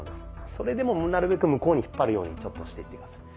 それでもなるべく向こうに引っ張るようにしていって下さい。